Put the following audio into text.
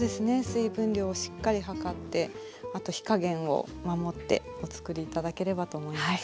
水分量をしっかり量ってあと火加減を守ってお作り頂ければと思います。